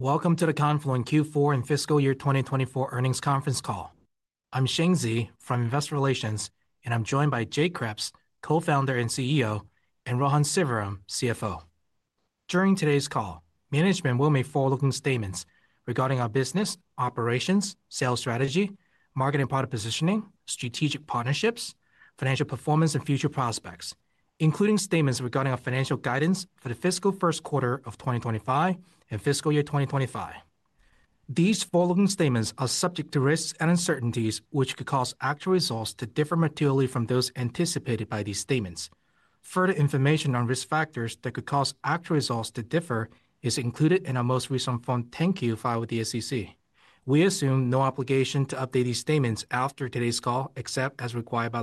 Welcome to the Confluent Q4 and Fiscal Year 2024 Earnings Conference Call. I'm Shane Xie from Investor Relations, and I'm joined by Jay Kreps, Co-Founder and CEO, and Rohan Sivaram, CFO. During today's call, management will make forward-looking statements regarding our business, operations, sales strategy, marketing product positioning, strategic partnerships, financial performance, and future prospects, including statements regarding our financial guidance for the fiscal Q1 of 2025 and fiscal year 2025. These forward-looking statements are subject to risks and uncertainties, which could cause actual results to differ materially from those anticipated by these statements. Further information on risk factors that could cause actual results to differ is included in our most recent Form 10-Q filed with the SEC. We assume no obligation to update these statements after today's call, except as required by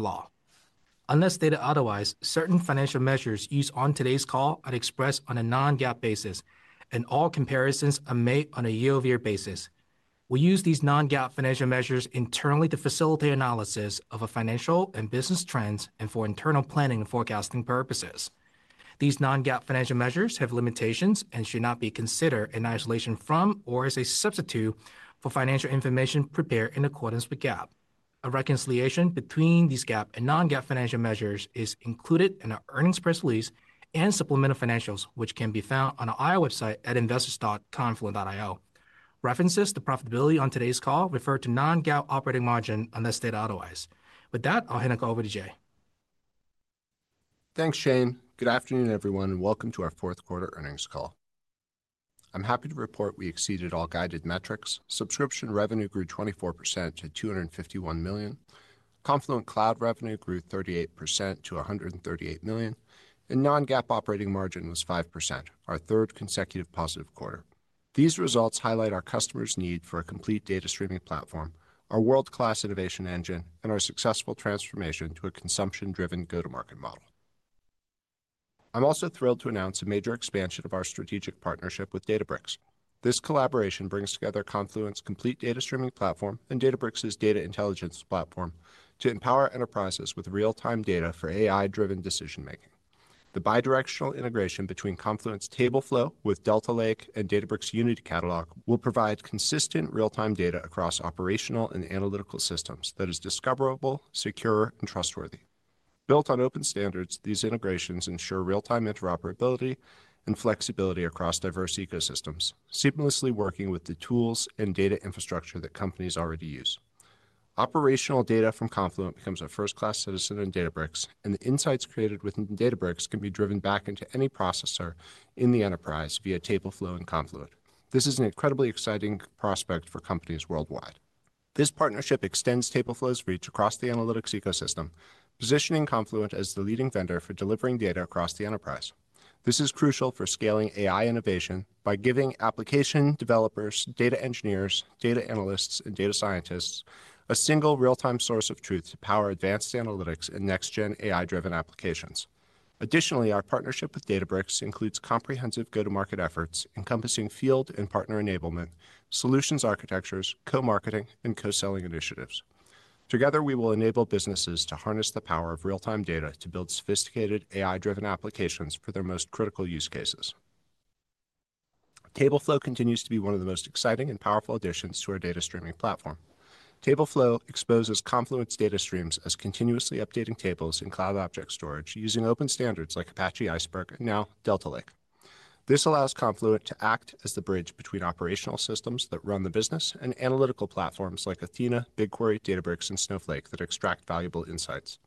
law. Unless stated otherwise, certain financial measures used on today's call are expressed on a non-GAAP basis, and all comparisons are made on a year-over-year basis. We use these non-GAAP financial measures internally to facilitate analysis of our financial and business trends and for internal planning and forecasting purposes. These non-GAAP financial measures have limitations and should not be considered in isolation from or as a substitute for financial information prepared in accordance with GAAP. A reconciliation between these GAAP and non-GAAP financial measures is included in our earnings press release and supplemental financials, which can be found on our IR website at investors.confluent.io. References to profitability on today's call refer to non-GAAP operating margin unless stated otherwise. With that, I'll hand it over to Jay. Thanks, Shane. Good afternoon, everyone, and welcome to our Q4 Earnings Call. I'm happy to report we exceeded all guided metrics. Subscription revenue grew 24% to $251,000,000. Confluent Cloud revenue grew 38% to $138,000,000, and non-GAAP operating margin was 5%, our third consecutive positive quarter. These results highlight our customers' need for a complete data streaming platform, our world-class innovation engine, and our successful transformation to a consumption-driven go-to-market model. I'm also thrilled to announce a major expansion of our strategic partnership with Databricks. This collaboration brings together Confluent's complete data streaming platform and Databricks' Data Intelligence Platform to empower enterprises with real-time data for AI-driven decision-making. The bidirectional integration between Confluent's TableFlow with Delta Lake and Databricks' Unity Catalog will provide consistent real-time data across operational and analytical systems that is discoverable, secure, and trustworthy. Built on open standards, these integrations ensure real-time interoperability and flexibility across diverse ecosystems, seamlessly working with the tools and data infrastructure that companies already use. Operational data from Confluent becomes a first-class citizen in Databricks, and the insights created within Databricks can be driven back into any processor in the enterprise via TableFlow in Confluent. This is an incredibly exciting prospect for companies worldwide. This partnership extends TableFlow's reach across the analytics ecosystem, positioning Confluent as the leading vendor for delivering data across the enterprise. This is crucial for scaling AI innovation by giving application developers, data engineers, data analysts, and data scientists a single real-time source of truth to power advanced analytics and next-gen AI-driven applications. Additionally, our partnership with Databricks includes comprehensive go-to-market efforts encompassing field and partner enablement, solutions architectures, co-marketing, and co-selling initiatives. Together, we will enable businesses to harness the power of real-time data to build sophisticated AI-driven applications for their most critical use cases. TableFlow continues to be one of the most exciting and powerful additions to our data streaming platform. TableFlow exposes Confluent's data streams as continuously updating tables in cloud object storage using open standards like Apache Iceberg and now Delta Lake. This allows Confluent to act as the bridge between operational systems that run the business and analytical platforms like Athena, BigQuery, Databricks, and Snowflake that extract valuable insights.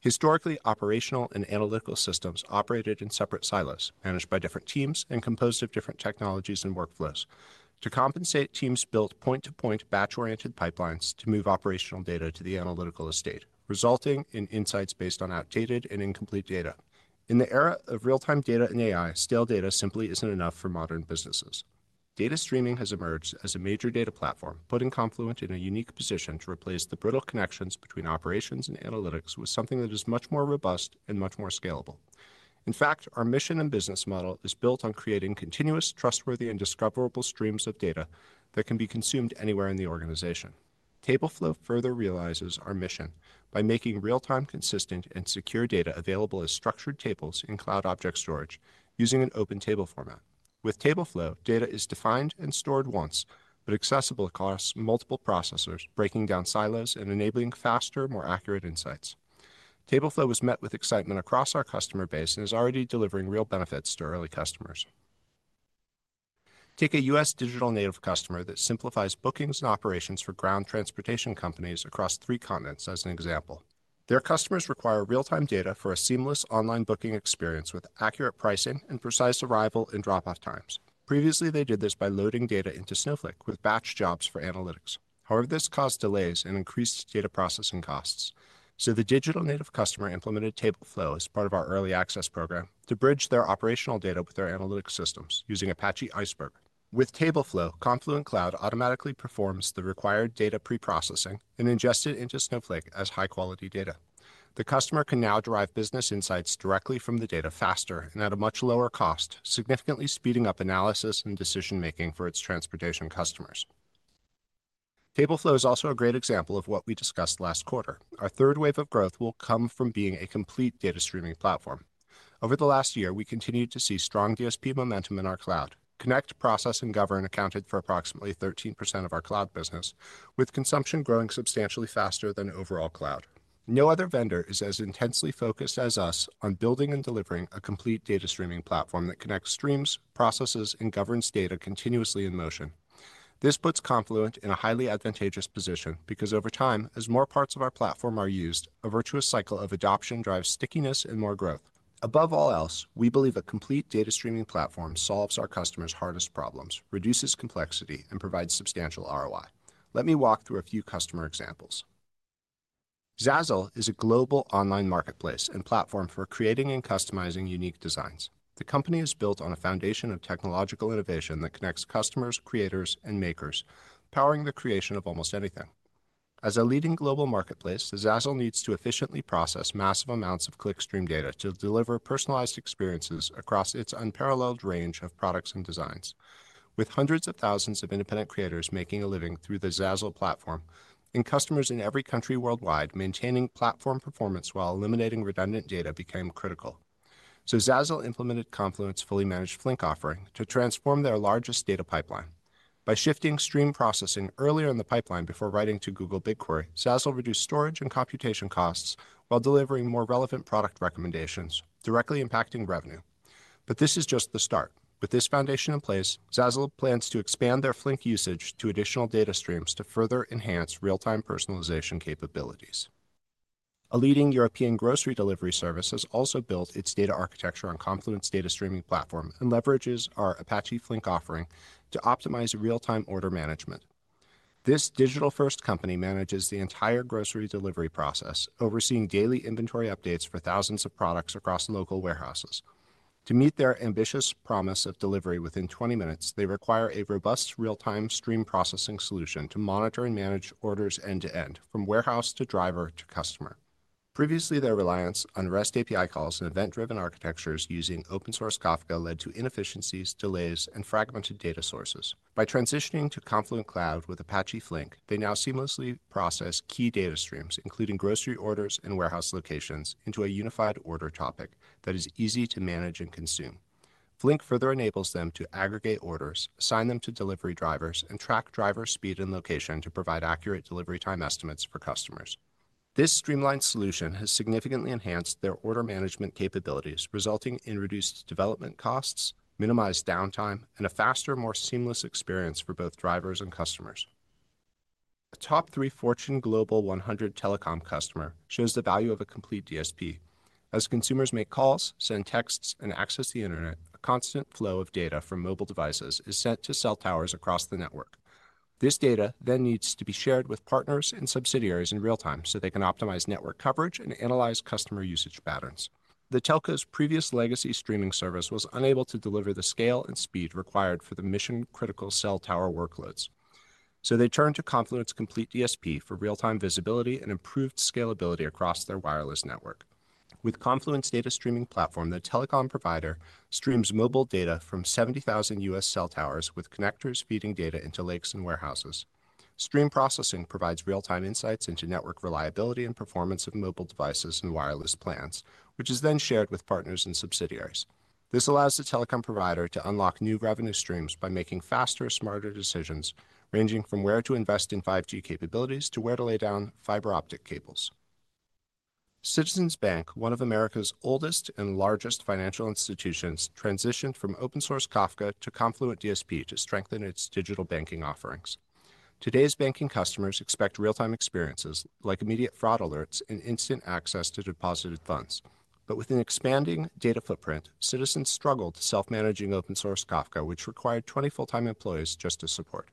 Historically, operational and analytical systems operated in separate silos, managed by different teams and composed of different technologies and workflows. To compensate, teams built point-to-point batch-oriented pipelines to move operational data to the analytical estate, resulting in insights based on outdated and incomplete data.In the era of real-time data and AI, stale data simply isn't enough for modern businesses. Data streaming has emerged as a major data platform, putting Confluent in a unique position to replace the brittle connections between operations and analytics with something that is much more robust and much more scalable. In fact, our mission and business model is built on creating continuous, trustworthy, and discoverable streams of data that can be consumed anywhere in the organization. TableFlow further realizes our mission by making real-time consistent and secure data available as structured tables in cloud object storage using an open table format. With TableFlow, data is defined and stored once, but accessible across multiple processors, breaking down silos and enabling faster, more accurate insights. TableFlow was met with excitement across our customer base and is already delivering real benefits to early customers. Take a U.S. digital native customer that simplifies bookings and operations for ground transportation companies across three continents as an example. Their customers require real-time data for a seamless online booking experience with accurate pricing and precise arrival and drop-off times. Previously, they did this by loading data into Snowflake with batch jobs for analytics. However, this caused delays and increased data processing costs, so the digital native customer implemented TableFlow as part of our early access program to bridge their operational data with their analytics systems using Apache Iceberg. With TableFlow, Confluent Cloud automatically performs the required data pre-processing and ingests it into Snowflake as high-quality data. The customer can now derive business insights directly from the data faster and at a much lower cost, significantly speeding up analysis and decision-making for its transportation customers. TableFlow is also a great example of what we discussed last quarter. Our third wave of growth will come from being a complete data streaming platform. Over the last year, we continued to see strong DSP momentum in our cloud. Connect, Process, and Govern accounted for approximately 13% of our cloud business, with consumption growing substantially faster than overall cloud. No other vendor is as intensely focused as us on building and delivering a complete data streaming platform that connects streams, processes, and governs data continuously in motion. This puts Confluent in a highly advantageous position because, over time, as more parts of our platform are used, a virtuous cycle of adoption drives stickiness and more growth. Above all else, we believe a complete data streaming platform solves our customers' hardest problems, reduces complexity, and provides substantial ROI. Let me walk through a few customer examples. Zazzle is a global online marketplace and platform for creating and customizing unique designs. The company is built on a foundation of technological innovation that connects customers, creators, and makers, powering the creation of almost anything. As a leading global marketplace, Zazzle needs to efficiently process massive amounts of clickstream data to deliver personalized experiences across its unparalleled range of products and designs. With hundreds of thousands of independent creators making a living through the Zazzle platform and customers in every country worldwide, maintaining platform performance while eliminating redundant data became critical. So Zazzle implemented Confluent's fully managed Flink offering to transform their largest data pipeline. By shifting stream processing earlier in the pipeline before writing to Google BigQuery, Zazzle reduced storage and computation costs while delivering more relevant product recommendations, directly impacting revenue. But this is just the start. With this foundation in place, Zazzle plans to expand their Flink usage to additional data streams to further enhance real-time personalization capabilities. A leading European grocery delivery service has also built its data architecture on Confluent's data streaming platform and leverages our Apache Flink offering to optimize real-time order management. This digital-first company manages the entire grocery delivery process, overseeing daily inventory updates for thousands of products across local warehouses. To meet their ambitious promise of delivery within 20 minutes, they require a robust real-time stream processing solution to monitor and manage orders end-to-end, from warehouse to driver to customer. Previously, their reliance on REST API calls and event-driven architectures using open-source Kafka led to inefficiencies, delays, and fragmented data sources. By transitioning to Confluent Cloud with Apache Flink, they now seamlessly process key data streams, including grocery orders and warehouse locations, into a unified order topic that is easy to manage and consume. Flink further enables them to aggregate orders, assign them to delivery drivers, and track driver speed and location to provide accurate delivery time estimates for customers. This streamlined solution has significantly enhanced their order management capabilities, resulting in reduced development costs, minimized downtime, and a faster, more seamless experience for both drivers and customers. A top three Fortune Global 100 telecom customer shows the value of a complete DSP. As consumers make calls, send texts, and access the internet, a constant flow of data from mobile devices is sent to cell towers across the network. This data then needs to be shared with partners and subsidiaries in real-time so they can optimize network coverage and analyze customer usage patterns. The telco's previous legacy streaming service was unable to deliver the scale and speed required for the mission-critical cell tower workloads. So they turned to Confluent's complete DSP for real-time visibility and improved scalability across their wireless network. With Confluent's data streaming platform, the telecom provider streams mobile data from 70,000 U.S. cell towers with connectors feeding data into lakes and warehouses. Stream processing provides real-time insights into network reliability and performance of mobile devices and wireless plans, which is then shared with partners and subsidiaries. This allows the telecom provider to unlock new revenue streams by making faster, smarter decisions, ranging from where to invest in 5G capabilities to where to lay down fiber optic cables. Citizens Bank, one of America's oldest and largest financial institutions, transitioned from open-source Kafka to Confluent DSP to strengthen its digital banking offerings. Today's banking customers expect real-time experiences like immediate fraud alerts and instant access to deposited funds. But with an expanding data footprint, Citizens struggled self-managing open-source Kafka, which required 20 full-time employees just to support.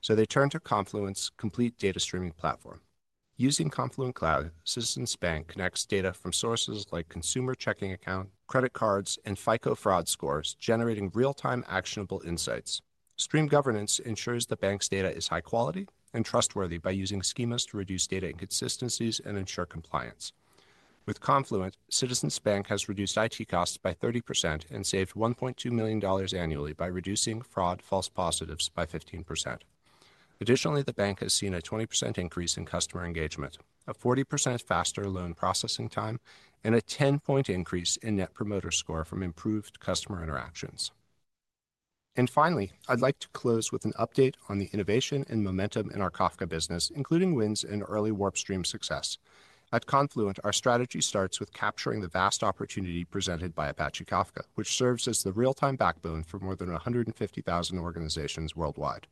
So they turned to Confluent's complete data streaming platform. Using Confluent Cloud, Citizens Bank connects data from sources like consumer checking account, credit cards, and FICO Fraud Scores, generating real-time actionable insights. Stream Governance ensures the bank's data is high quality and trustworthy by using schemas to reduce data inconsistencies and ensure compliance. With Confluent, Citizens Bank has reduced IT costs by 30% and saved $1,200,000 annually by reducing fraud false positives by 15%. Additionally, the bank has seen a 20% increase in customer engagement, a 40% faster loan processing time, and a 10-point increase in Net Promoter Score from improved customer interactions, and finally, I'd like to close with an update on the innovation and momentum in our Kafka business, including wins and early WarpStream success. At Confluent, our strategy starts with capturing the vast opportunity presented by Apache Kafka, which serves as the real-time backbone for more than 150,000 organizations worldwide.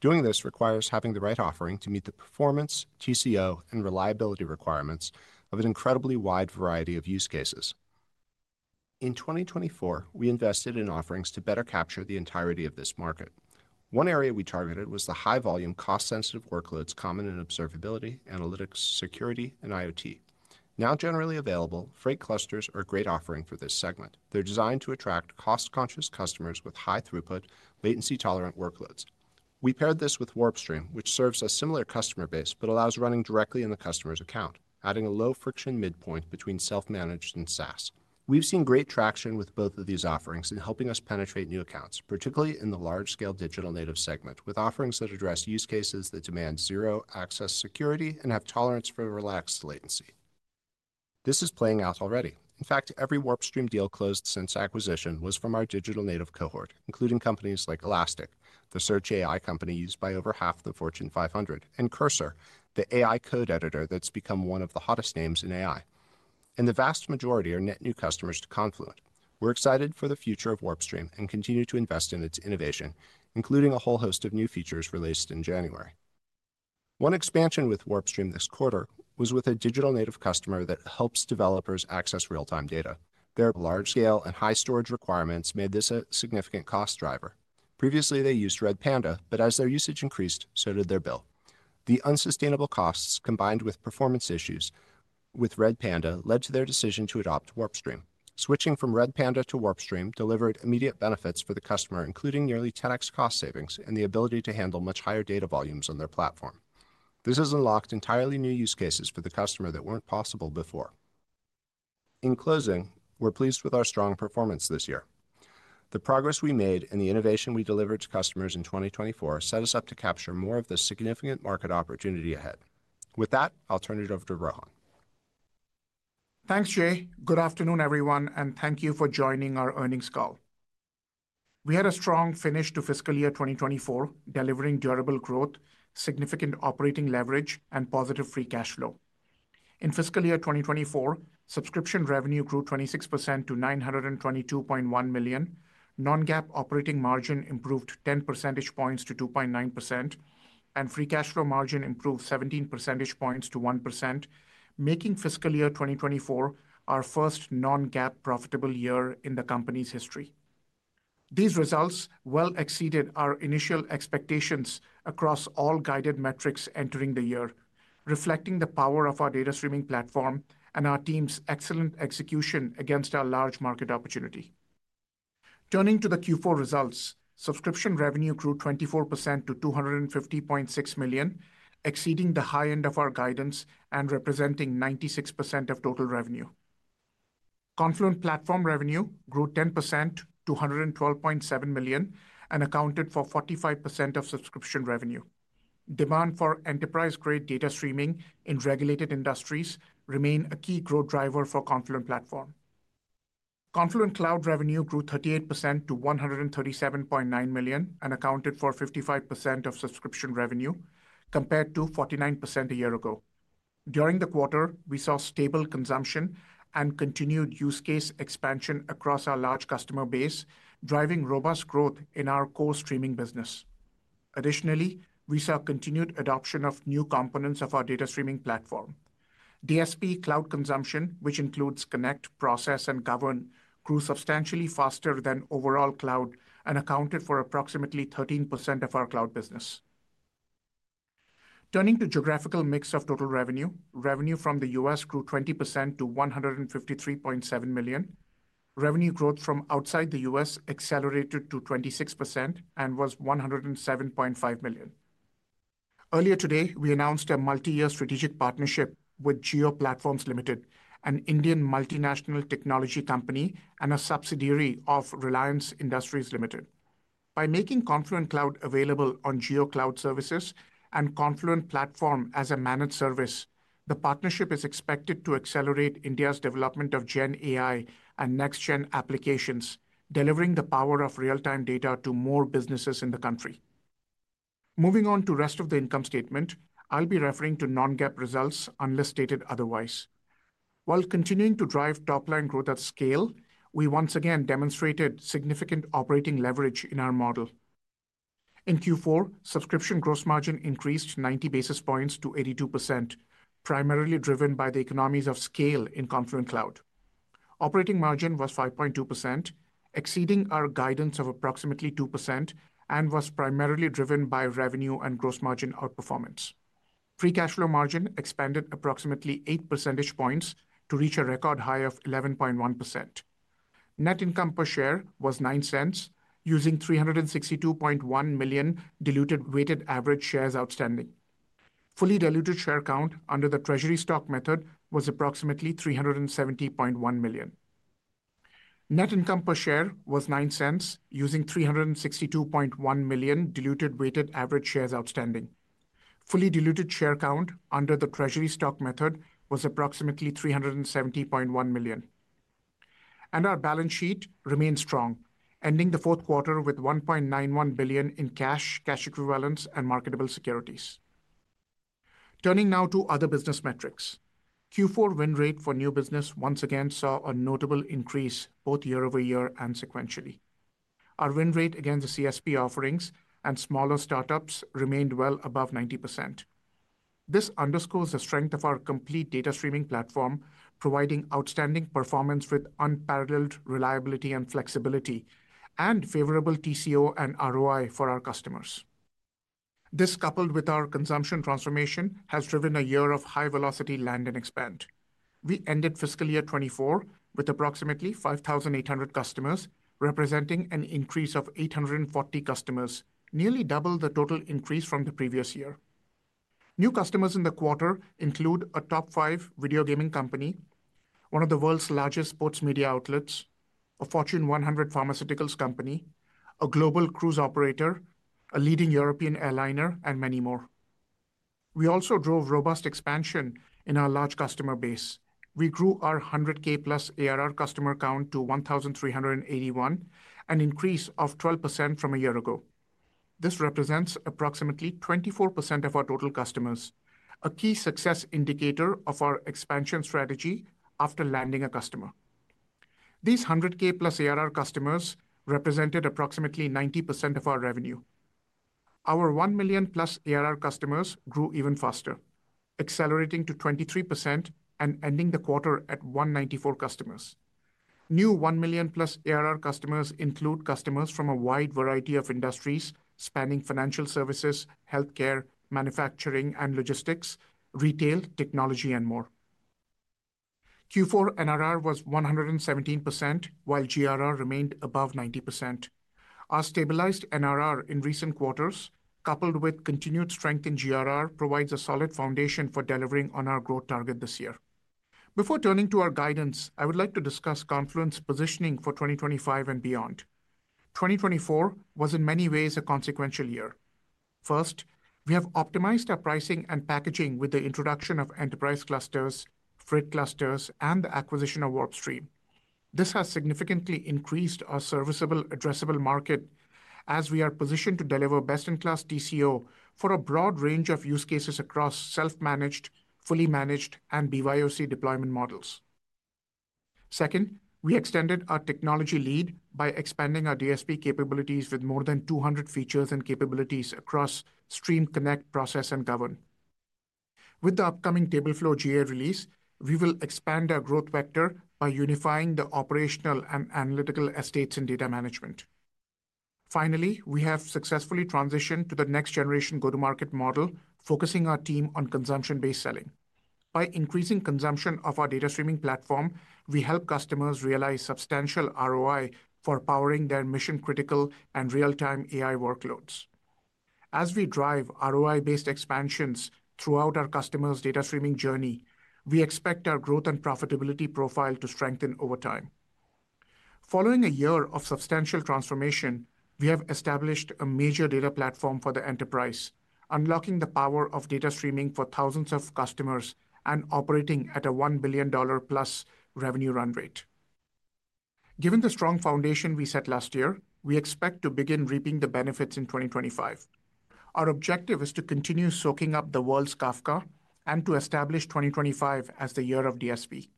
Doing this requires having the right offering to meet the performance, TCO, and reliability requirements of an incredibly wide variety of use cases. In 2024, we invested in offerings to better capture the entirety of this market. One area we targeted was the high-volume, cost-sensitive workloads common in observability, analytics, security, and IoT. Now generally available, Freight Clusters are a great offering for this segment. They're designed to attract cost-conscious customers with high-throughput, latency-tolerant workloads. We paired this with WarpStream, which serves a similar customer base but allows running directly in the customer's account, adding a low-friction midpoint between self-managed and SaaS. We've seen great traction with both of these offerings in helping us penetrate new accounts, particularly in the large-scale digital native segment, with offerings that address use cases that demand zero access security and have tolerance for relaxed latency. This is playing out already. In fact, every WarpStream deal closed since acquisition was from our digital native cohort, including companies like Elastic, the search AI company used by over half the Fortune 500, and Cursor, the AI code editor that's become one of the hottest names in AI, and the vast majority are net new customers to Confluent. We're excited for the future of WarpStream and continue to invest in its innovation, including a whole host of new features released in January. One expansion with WarpStream this quarter was with a digital native customer that helps developers access real-time data. Their large-scale and high storage requirements made this a significant cost driver. Previously, they used Redpanda, but as their usage increased, so did their bill. The unsustainable costs combined with performance issues with Redpanda led to their decision to adopt WarpStream. Switching from Redpanda to WarpStream delivered immediate benefits for the customer, including nearly 10x cost savings and the ability to handle much higher data volumes on their platform. This has unlocked entirely new use cases for the customer that weren't possible before. In closing, we're pleased with our strong performance this year. The progress we made and the innovation we delivered to customers in 2024 set us up to capture more of the significant market opportunity ahead. With that, I'll turn it over to Rohan. Thanks, Jay. Good afternoon, everyone and thank you for joining our Earnings Call. We had a strong finish to fiscal year 2024, delivering durable growth, significant operating leverage, and positive free cash flow. In fiscal year 2024, subscription revenue grew 26% to $922,100,000, non-GAAP operating margin improved 10 percentage points to 2.9%, and free cash flow margin improved 17 percentage points to 1%, making fiscal year 2024 our first non-GAAP profitable year in the company's history. These results well exceeded our initial expectations across all guided metrics entering the year, reflecting the power of our data streaming platform and our team's excellent execution against our large market opportunity. Turning to the Q4 results, subscription revenue grew 24% to $250,600,000, exceeding the high end of our guidance and representing 96% of total revenue. Confluent Platform revenue grew 10% to $112,700,000 and accounted for 45% of subscription revenue. Demand for enterprise-grade data streaming in regulated industries remains a key growth driver for Confluent Platform. Confluent Cloud revenue grew 38% to $137,900,000 and accounted for 55% of subscription revenue, compared to 49% a year ago. During the quarter, we saw stable consumption and continued use case expansion across our large customer base, driving robust growth in our core streaming business. Additionally, we saw continued adoption of new components of our data streaming platform. DSP cloud consumption, which includes Connect, Process, and Govern, grew substantially faster than overall cloud and accounted for approximately 13% of our cloud business. Turning to geographic mix of total revenue, revenue from the U.S. grew 20% to $153,700,000. Revenue growth from outside the U.S. accelerated to 26% and was $107,500,000.Earlier today, we announced a multi-year strategic partnership with Jio Platforms Limited, an Indian multinational technology company and a subsidiary of Reliance Industries Limited. By making Confluent Cloud available on JioCloud services and Confluent Platform as a managed service, the partnership is expected to accelerate India's development of GenAI and next-gen applications, delivering the power of real-time data to more businesses in the country. Moving on to the rest of the income statement, I'll be referring to non-GAAP results unless stated otherwise. While continuing to drive top-line growth at scale, we once again demonstrated significant operating leverage in our model. In Q4, subscription gross margin increased 90 basis points to 82%, primarily driven by the economies of scale in Confluent Cloud. Operating margin was 5.2%, exceeding our guidance of approximately 2%, and was primarily driven by revenue and gross margin outperformance. Free cash flow margin expanded approximately eight percentage points to reach a record high of 11.1%. Net income per share was $0.09, using 362,100,000 diluted weighted average shares outstanding. Fully diluted share count under the treasury stock method was approximately 370,100,000. Our balance sheet remained strong, ending the Q4 with $1,910,000,000 in cash, cash equivalents, and marketable securities. Turning now to other business metrics, Q4 win rate for new business once again saw a notable increase both year over year and sequentially. Our win rate against the CSP offerings and smaller startups remained well above 90%. This underscores the strength of our complete data streaming platform, providing outstanding performance with unparalleled reliability and flexibility, and favorable TCO and ROI for our customers. This, coupled with our consumption transformation, has driven a year of high-velocity land and expand. We ended fiscal year 2024 with approximately 5,800 customers, representing an increase of 840 customers, nearly double the total increase from the previous year. New customers in the quarter include a top five video gaming company, one of the world's largest sports media outlets, a Fortune 100 pharmaceuticals company, a global cruise operator, a leading European ai, and many more. We also drove robust expansion in our large customer base. We grew our 100K plus ARR customer count to 1,381, an increase of 12% from a year ago. This represents approximately 24% of our total customers, a key success indicator of our expansion strategy after landing a customer. These 100K plus ARR customers represented approximately 90% of our revenue. Our 1,000,000 plus ARR customers grew even faster, accelerating to 23% and ending the quarter at 194 customers. New 1,000,000 plus ARR customers include customers from a wide variety of industries spanning financial services, healthcare, manufacturing, and logistics, retail, technology, and more. Q4 NRR was 117%, while GRR remained above 90%. Our stabilized NRR in recent quarters, coupled with continued strength in GRR, provides a solid foundation for delivering on our growth target this year. Before turning to our guidance, I would like to discuss Confluent's positioning for 2025 and beyond. 2024 was, in many ways, a consequential year. First, we have optimized our pricing and packaging with the introduction of Enterprise Clusters, Freight Clusters, and the acquisition of WarpStream.This has significantly increased our serviceable, addressable market, as we are positioned to deliver best-in-class TCO for a broad range of use cases across self-managed, fully managed, and BYOC deployment models. Second, we extended our technology lead by expanding our DSP capabilities with more than 200 features and capabilities across Stream, Connect, Process, and Govern. With the upcoming TableFlow GA release, we will expand our growth vector by unifying the operational and analytical estates in data management. Finally, we have successfully transitioned to the next-generation go-to-market model, focusing our team on consumption-based selling. By increasing consumption of our data streaming platform, we help customers realize substantial ROI for powering their mission-critical and real-time AI workloads. As we drive ROI-based expansions throughout our customers' data streaming journey, we expect our growth and profitability profile to strengthen over time. Following a year of substantial transformation, we have established a major data platform for the enterprise, unlocking the power of data streaming for thousands of customers and operating at a $1,000,000,000-plus revenue run rate. Given the strong foundation we set last year, we expect to begin reaping the benefits in 2025. Our objective is to continue soaking up the world's Kafka and to establish 2025 as the year of DSP.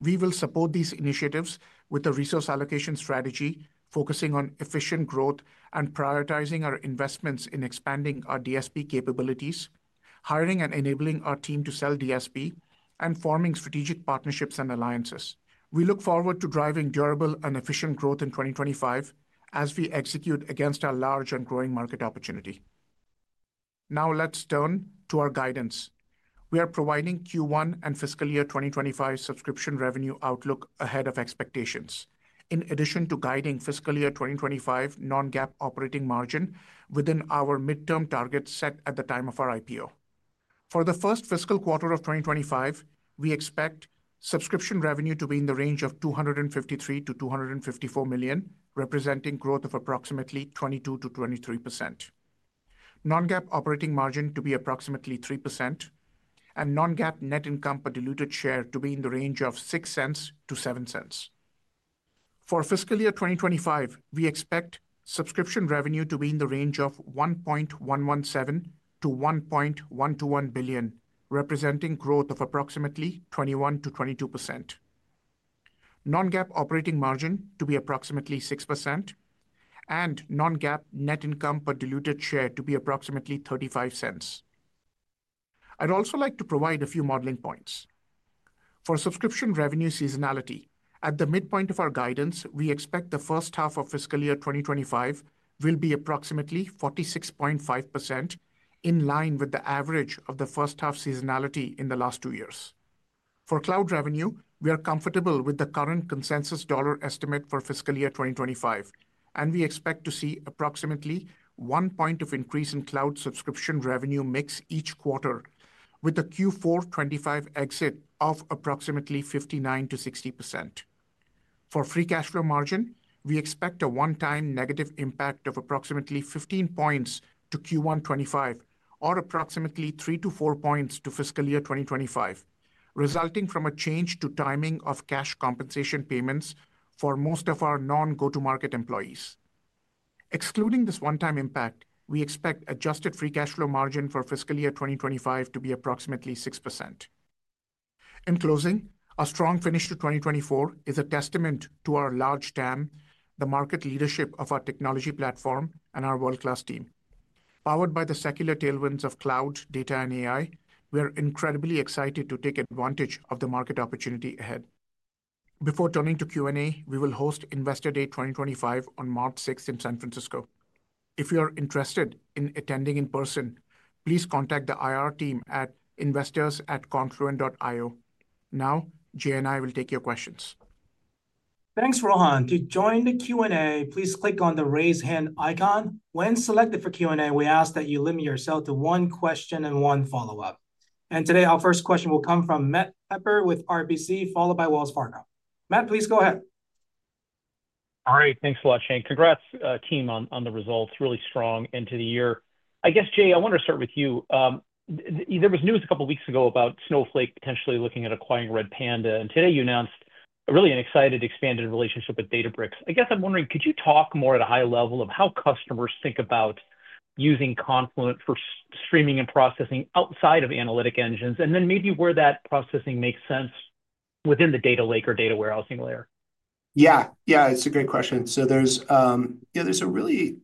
We will support these initiatives with a resource allocation strategy focusing on efficient growth and prioritizing our investments in expanding our DSP capabilities, hiring and enabling our team to sell DSP, and forming strategic partnerships and alliances. We look forward to driving durable and efficient growth in 2025 as we execute against our large and growing market opportunity. Now, let's turn to our guidance. We are providing Q1 and fiscal year 2025 subscription revenue outlook ahead of expectations, in addition to guiding fiscal year 2025 non-GAAP operating margin within our midterm target set at the time of our IPO. For the first fiscal quarter of 2025, we expect subscription revenue to be in the range of $253,000,000-$254,000,000, representing growth of approximately 22%-23%, non-GAAP operating margin to be approximately 3%, and non-GAAP net income per diluted share to be in the range of $0.06-$0.07. For fiscal year 2025, we expect subscription revenue to be in the range of $1,117,000,000-$1,121,000,000 representing growth of approximately 21%-22%, non-GAAP operating margin to be approximately 6%, and non-GAAP net income per diluted share to be approximately $0.35. I'd also like to provide a few modeling points. For subscription revenue seasonality, at the midpoint of our guidance, we expect the first half of fiscal year 2025 will be approximately 46.5%, in line with the average of the first-half seasonality in the last two years. For cloud revenue, we are comfortable with the current consensus dollar estimate for fiscal year 2025, and we expect to see approximately one point of increase in cloud subscription revenue mix each quarter, with a Q4 2025 exit of approximately 59% to 60%. For free cash flow margin, we expect a one-time negative impact of approximately 15 points to Q1 2025, or approximately 3 to 4 points to fiscal year 2025, resulting from a change to timing of cash compensation payments for most of our non-go-to-market employees. Excluding this one-time impact, we expect adjusted free cash flow margin for fiscal year 2025 to be approximately 6%. In closing, a strong finish to 2024 is a testament to our large TAM, the market leadership of our technology platform, and our world-class team. Powered by the secular tailwinds of cloud, data, and AI, we are incredibly excited to take advantage of the market opportunity ahead. Before turning to Q&A, we will host Investor Day 2025 on March 6 in San Francisco. If you are interested in attending in person, please contact the IR team at investors@confluent.io. Now, Jay and I will take your questions. Thanks, Rohan. To join the Q&A, please click on the raise hand icon. When selected for Q&A, we ask that you limit yourself to one question and one follow-up. Today, our first question will come from Matt Hedberg with RBC, followed by Wells Fargo. Matt, please go ahead. All right. Thanks a lot, Shane. Congrats, team, on the results. Really strong end to the year. I guess, Jay, I want to start with you. There was news a couple of weeks ago about Snowflake potentially looking at acquiring Redpanda. And today, you announced really an excited, expanded relationship with Databricks. I guess I'm wondering, could you talk more at a high level of how customers think about using Confluent for streaming and processing outside of analytic engines, and then maybe where that processing makes sense within the data lake or data warehousing layer? Yeah, yeah, it's a great question. So there's really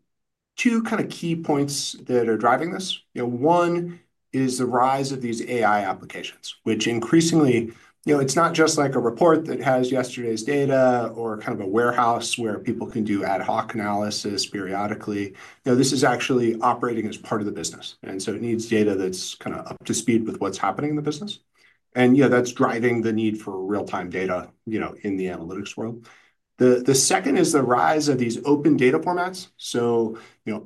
two kind of key points that are driving this. One is the rise of these AI applications, which increasingly, it's not just like a report that has yesterday's data or kind of a warehouse where people can do ad hoc analysis periodically. This is actually operating as part of the business. And so it needs data that's kind of up to speed with what's happening in the business. And that's driving the need for real-time data in the analytics world. The second is the rise of these open data formats. So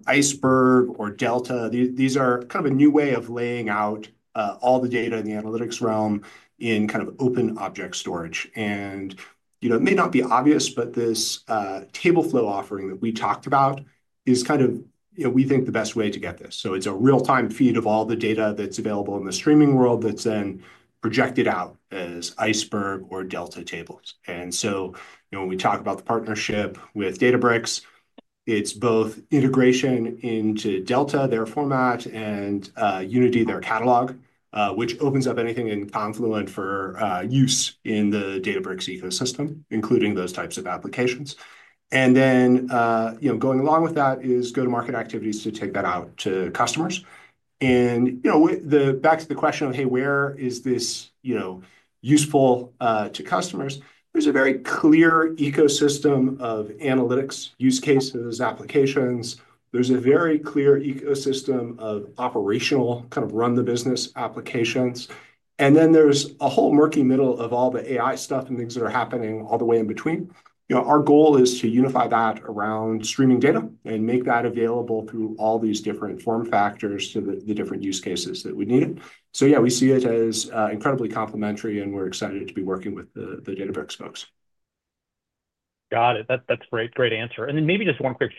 Iceberg or Delta, these are kind of a new way of laying out all the data in the analytics realm in kind of open object storage. And it may not be obvious, but this TableFlow offering that we talked about is kind of, we think, the best way to get this. So it's a real-time feed of all the data that's available in the streaming world that's then projected out as Iceberg or Delta tables. And so when we talk about the partnership with Databricks, it's both integration into Delta, their format, and Unity, their catalog, which opens up anything in Confluent for use in the Databricks ecosystem, including those types of applications. And then going along with that is go-to-market activities to take that out to customers. And back to the question of, hey, where is this useful to customers? There's a very clear ecosystem of analytics use cases, applications. There's a very clear ecosystem of operational kind of run-the-business applications. And then there's a whole murky middle of all the AI stuff and things that are happening all the way in between. Our goal is to unify that around streaming data and make that available through all these different form factors to the different use cases that we need it. So yeah, we see it as incredibly complementary, and we're excited to be working with the Databricks folks. Got it. That's a great answer. And then maybe just one quick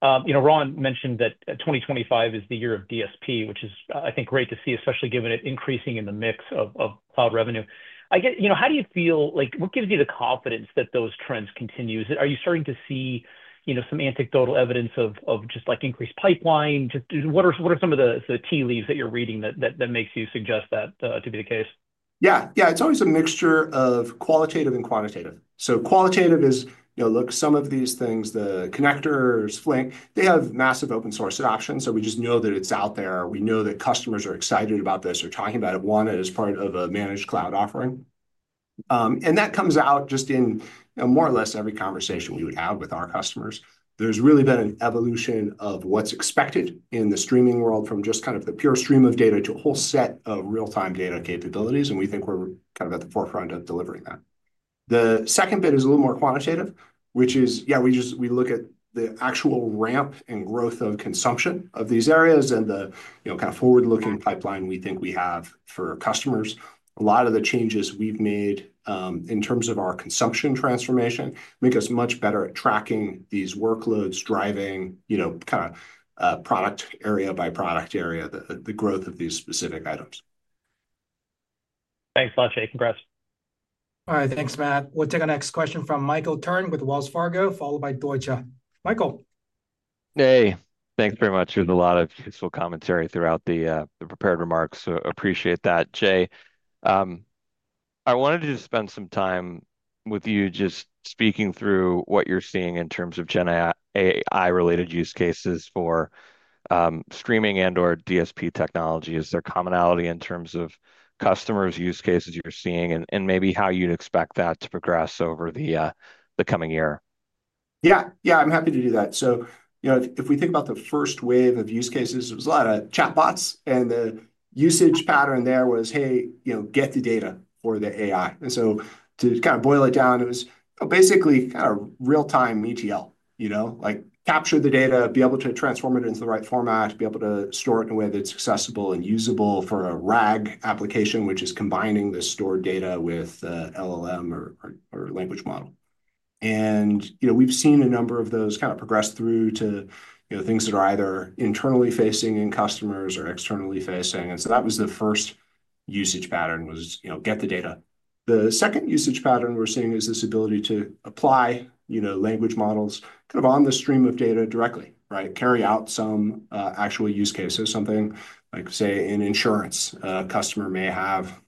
follow-up. Rohan mentioned that 2025 is the year of DSP, which is, I think, great to see, especially given it's increasing in the mix of cloud revenue. How do you feel like what gives you the confidence that those trends continue? Are you starting to see some anecdotal evidence of just increased pipeline? What are some of the tea leaves that you're reading that makes you suggest that to be the case? Yeah, yeah, it's always a mixture of qualitative and quantitative. So qualitative is, look, some of these things, the connectors, Flink, they have massive open-source adoption. So we just know that it's out there. We know that customers are excited about this. They're talking about it, one, as part of a managed cloud offering, and that comes out just in more or less every conversation we would have with our customers. There's really been an evolution of what's expected in the streaming world from just kind of the pure stream of data to a whole set of real-time data capabilities, and we think we're kind of at the forefront of delivering that. The second bit is a little more quantitative, which is, yeah, we look at the actual ramp and growth of consumption of these areas and the kind of forward-looking pipeline we think we have for customers. A lot of the changes we've made in terms of our consumption transformation make us much better at tracking these workloads, driving kind of product area by product area, the growth of these specific items. Thanks a lot, Shane. Congrats. All right. Thanks, Matt.We'll take our next question from Michael Turrin with Wells Fargo, followed by Deutsche Bank. Michael. Hey, thanks very much. There's a lot of useful commentary throughout the prepared remarks. Appreciate that, Jay. I wanted to spend some time with you just speaking through what you're seeing in terms of GenAI-related use cases for streaming and/or DSP technology. Is there commonality in terms of customers' use cases you're seeing and maybe how you'd expect that to progress over the coming year? Yeah, yeah, I'm happy to do that. So if we think about the first wave of use cases, it was a lot of chatbots. The usage pattern there was, hey, get the data for the AI.And so to kind of boil it down, it was basically kind of real-time ETL, like capture the data, be able to transform it into the right format, be able to store it in a way that's accessible and usable for a RAG application, which is combining the stored data with an LLM or language model. And we've seen a number of those kind of progress through to things that are either internally facing in customers or externally facing. And so that was the first usage pattern, was get the data. The second usage pattern we're seeing is this ability to apply language models kind of on the stream of data directly, right? Carry out some actual use cases, something like, say, in insurance, a customer may have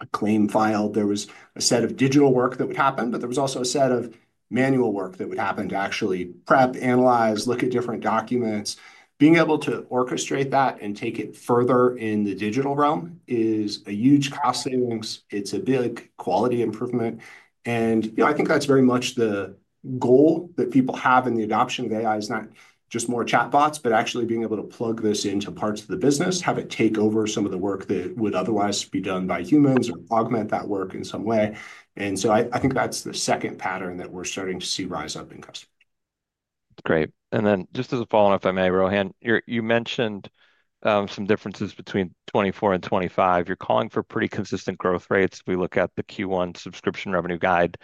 a claim filed. There was a set of digital work that would happen, but there was also a set of manual work that would happen to actually prep, analyze, look at different documents. Being able to orchestrate that and take it further in the digital realm is a huge cost savings. It's a big quality improvement. And I think that's very much the goal that people have in the adoption of AI, is not just more chatbots, but actually being able to plug this into parts of the business, have it take over some of the work that would otherwise be done by humans or augment that work in some way. And so I think that's the second pattern that we're starting to see rise up in customers. Great. And then just as a follow-up, if I may, Rohan, you mentioned some differences between 2024 and 2025.You're calling for pretty consistent growth rates if we look at the Q1 subscription revenue guide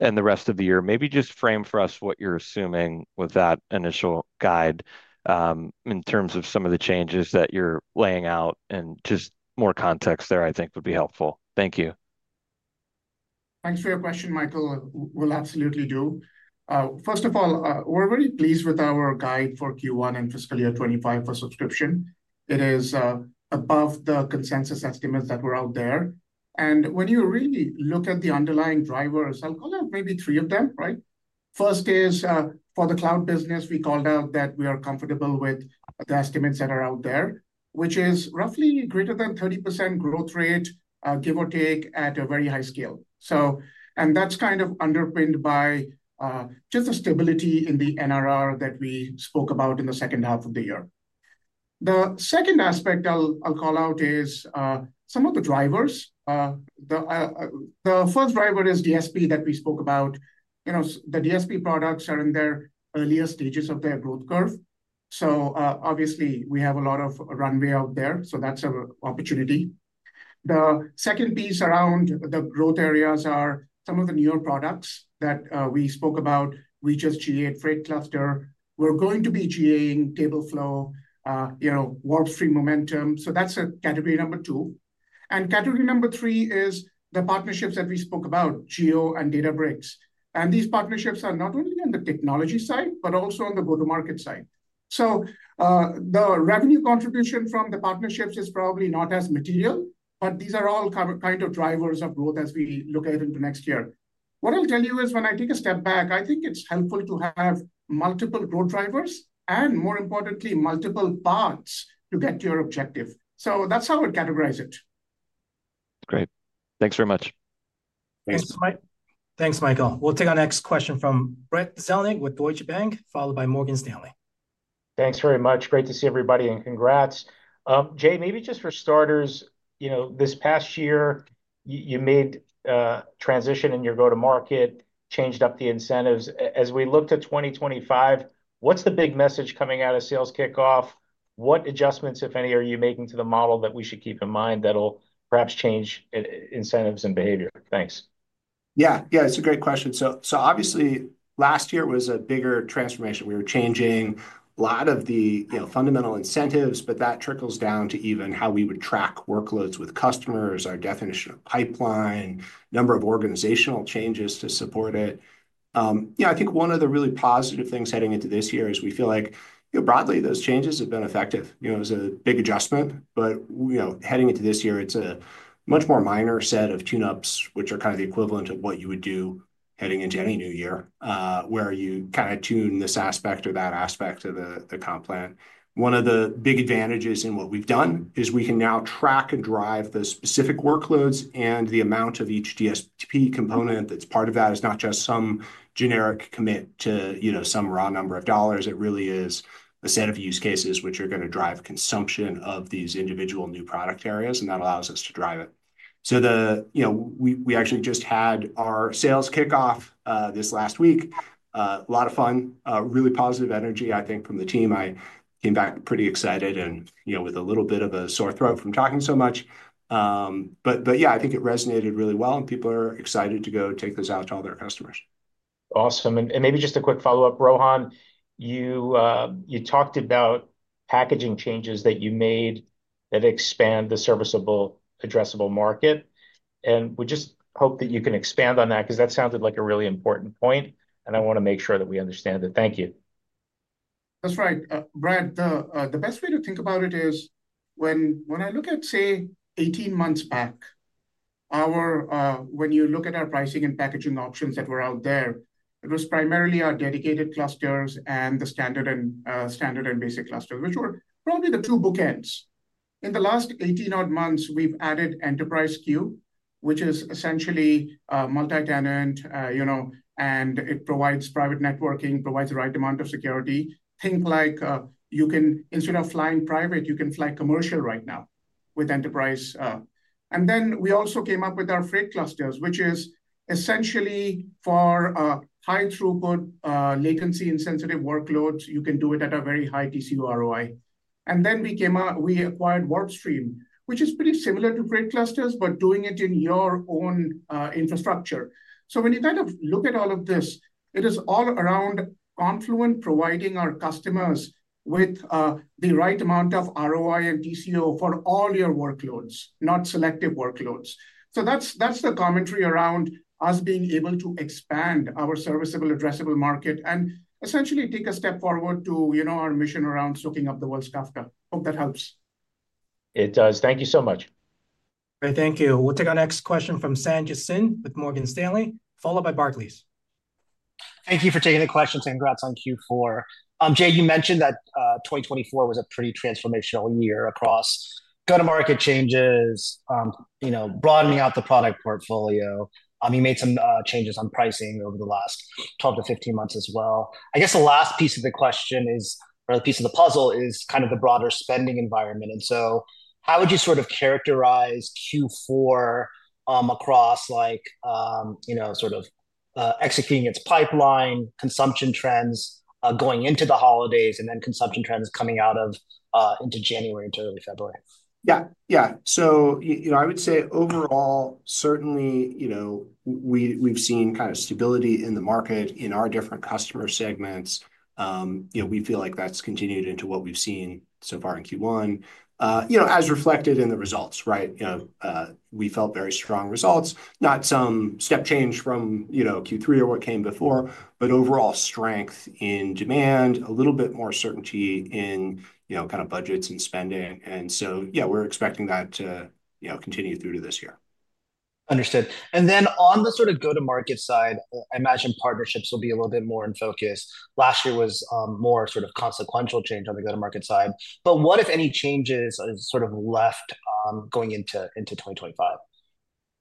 and the rest of the year. Maybe just frame for us what you're assuming with that initial guide in terms of some of the changes that you're laying out and just more context there, I think, would be helpful. Thank you. Answer your question, Michael, we'll absolutely do. First of all, we're very pleased with our guide for Q1 and fiscal year 2025 for subscription. It is above the consensus estimates that were out there. And when you really look at the underlying drivers, I'll call out maybe three of them, right? First is for the cloud business, we called out that we are comfortable with the estimates that are out there, which is roughly greater than 30% growth rate, give or take, at a very high scale. And that's kind of underpinned by just the stability in the NRR that we spoke about in the second half of the year. The second aspect I'll call out is some of the drivers. The first driver is DSP that we spoke about. The DSP products are in their earlier stages of their growth curve. So obviously, we have a lot of runway out there. So that's an opportunity. The second piece around the growth areas are some of the newer products that we spoke about, we just GA'd, Freight clusters. We're going to be GAing Tableflow, WarpStream Momentum. So that's category number two. And category number three is the partnerships that we spoke about, Jio and Databricks. And these partnerships are not only on the technology side, but also on the go-to-market side. So the revenue contribution from the partnerships is probably not as material, but these are all kind of drivers of growth as we look ahead into next year. What I'll tell you is when I take a step back, I think it's helpful to have multiple growth drivers and, more importantly, multiple bots to get to your objective. So that's how I would categorize it. Great. Thanks very much. Thanks, Mike. Thanks, Michael. We'll take our next question from Brad Zelnick with Deutsche Bank, followed by Morgan Stanley. Thanks very much. Great to see everybody, and congrats. Jay, maybe just for starters, this past year, you made a transition in your go-to-market, changed up the incentives. As we look to 2025, what's the big message coming out of sales kickoff? What adjustments, if any, are you making to the model that we should keep in mind that'll perhaps change incentives and behavior? Thanks. Yeah, yeah, it's a great question, so obviously, last year was a bigger transformation. We were changing a lot of the fundamental incentives, but that trickles down to even how we would track workloads with customers, our definition of pipeline, number of organizational changes to support it. I think one of the really positive things heading into this year is we feel like, broadly, those changes have been effective. It was a big adjustment, but heading into this year, it's a much more minor set of tune-ups, which are kind of the equivalent of what you would do heading into any new year, where you kind of tune this aspect or that aspect of the comp plan. One of the big advantages in what we've done is we can now track and drive the specific workloads and the amount of each DSP component that's part of that is not just some generic commit to some raw number of dollars. It really is a set of use cases which are going to drive consumption of these individual new product areas, and that allows us to drive it. So we actually just had our sales kickoff this last week. A lot of fun, really positive energy, I think, from the team. I came back pretty excited and with a little bit of a sore throat from talking so much. But yeah, I think it resonated really well, and people are excited to go take those out to all their customers. Awesome, and maybe just a quick follow-up, Rohan. You talked about packaging changes that you made that expand the serviceable, addressable market. And we just hope that you can expand on that because that sounded like a really important point. And I want to make sure that we understand it. Thank you. That's right. Brad, the best way to think about it is when I look at, say, 18 months back, when you look at our pricing and packaging options that were out there, it was primarily our Dedicated Clusters and the Standard and Basic Clusters, which were probably the two bookends. In the last 18-odd months, we've added Enterprise Clusters, which is essentially multi-tenant, and it provides private networking, provides the right amount of security. Think like you can, instead of flying private, you can fly commercial right now with Enterprise.And then we also came up with our Freight clusters, which is essentially for high-throughput latency and sensitive workloads. You can do it at a very high TCO ROI. And then we acquired WarpStream, which is pretty similar to Freight clusters, but doing it in your own infrastructure. So when you kind of look at all of this, it is all around Confluent providing our customers with the right amount of ROI and TCO for all your workloads, not selective workloads. So that's the commentary around us being able to expand our serviceable, addressable market and essentially take a step forward to our mission around soaking up the world's Kafka. Hope that helps. It does. Thank you so much. Great. Thank you. We'll take our next question from Sanjit Singh with Morgan Stanley, followed by Barclays. Thank you for taking the question. Congrats on Q4.Jay, you mentioned that 2024 was a pretty transformational year across go-to-market changes, broadening out the product portfolio. You made some changes on pricing over the last 12 to 15 months as well. I guess the last piece of the question is, or the piece of the puzzle is kind of the broader spending environment. And so how would you sort of characterize Q4 across sort of executing its pipeline, consumption trends going into the holidays, and then consumption trends coming out into January, into early February? Yeah, yeah. So I would say overall, certainly, we've seen kind of stability in the market in our different customer segments. We feel like that's continued into what we've seen so far in Q1, as reflected in the results, right? We felt very strong results, not some step change from Q3 or what came before, but overall strength in demand, a little bit more certainty in kind of budgets and spending. And so, yeah, we're expecting that to continue through to this year. Understood. And then on the sort of go-to-market side, I imagine partnerships will be a little bit more in focus. Last year was more sort of consequential change on the go-to-market side. But what, if any, changes sort of left going into 2025?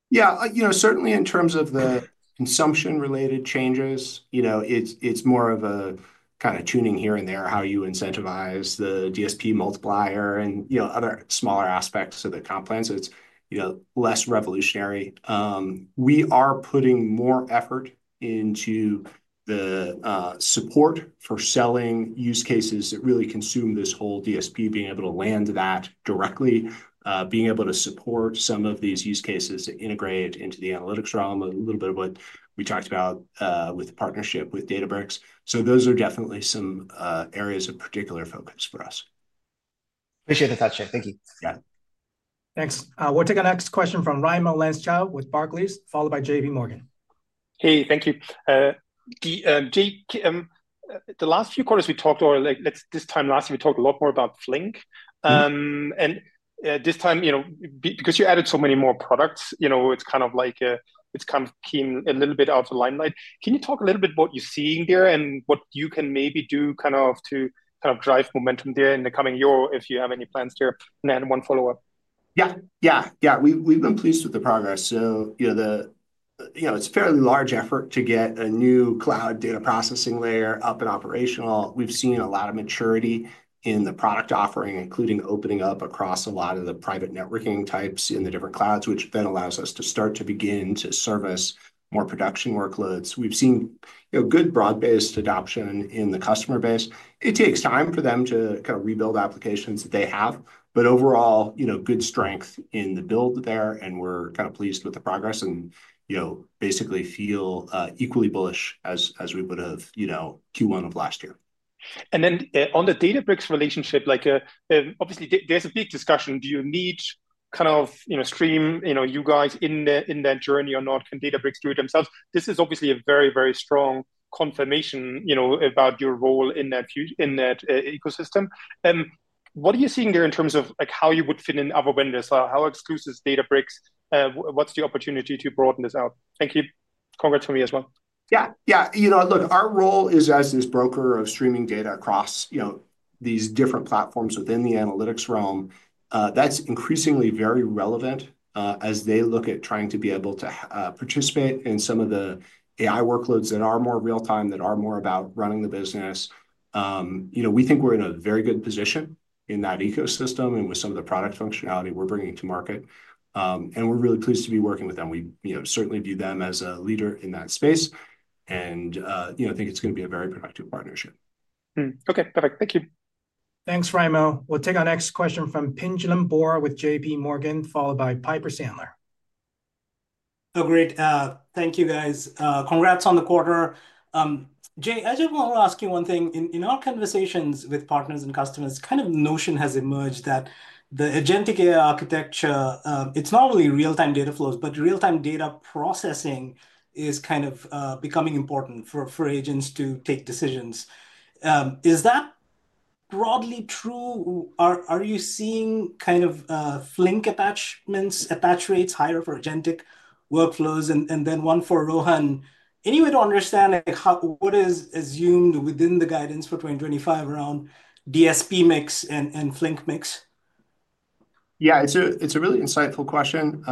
Yeah, certainly in terms of the consumption-related changes, it's more of a kind of tuning here and there, how you incentivize the DSP multiplier and other smaller aspects of the comp plan. So it's less revolutionary. We are putting more effort into the support for selling use cases that really consume this whole DSP, being able to land that directly, being able to support some of these use cases that integrate into the analytics realm, a little bit of what we talked about with the partnership with Databricks. So those are definitely some areas of particular focus for us. Appreciate the thought, Shane. Thank you. Yeah. Thanks. We'll take our next question from Raimo Lenschow with Barclays, followed by J.P. Morgan. Hey, thank you. The last few quarters we talked or this time last year, we talked a lot more about Flink. And this time, because you added so many more products, it's kind of like it's kind of came a little bit out of the limelight. Can you talk a little bit about what you're seeing there and what you can maybe do kind of to kind of drive momentum there in the coming year or if you have any plans there? And then one follow-up. Yeah, yeah, yeah. We've been pleased with the progress. So it's a fairly large effort to get a new cloud data processing layer up and operational. We've seen a lot of maturity in the product offering, including opening up across a lot of the private networking types in the different clouds, which then allows us to start to begin to service more production workloads. We've seen good broad-based adoption in the customer base. It takes time for them to kind of rebuild applications that they have, but overall, good strength in the build there. We're kind of pleased with the progress and basically feel equally bullish as we would have Q1 of last year. Then on the Databricks relationship, obviously, there's a big discussion. Do you need kind of streaming, you guys, in that journey or not? Can Databricks do it themselves? This is obviously a very, very strong confirmation about your role in that ecosystem. What are you seeing there in terms of how you would fit in with other vendors? How exclusive is Databricks? What's the opportunity to broaden this out? Thank you. Congrats from me as well. Yeah, yeah. Look, our role is as this broker of streaming data across these different platforms within the analytics realm. That's increasingly very relevant as they look at trying to be able to participate in some of the AI workloads that are more real-time, that are more about running the business. We think we're in a very good position in that ecosystem and with some of the product functionality we're bringing to market. And we're really pleased to be working with them. We certainly view them as a leader in that space and think it's going to be a very productive partnership. Okay. Perfect. Thank you. Thanks, Raimo. We'll take our next question from Pinjalim Bora with J.P. Morgan, followed by Piper Sandler. Oh, great. Thank you, guys. Congrats on the quarter. Jay, I just want to ask you one thing. In our conversations with partners and customers, kind of notion has emerged that the agentic AI architecture, it's not only real-time data flows, but real-time data processing is kind of becoming important for agents to take decisions. Is that broadly true? Are you seeing kind of Flink attachments, attach rates higher for agentic workflows? And then one for Rohan.Anyway, to understand what is assumed within the guidance for 2025 around DSP mix and Flink mix? Yeah, it's a really insightful question.